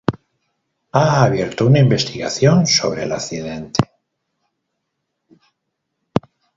Ha abierto una investigación sobre el accidente.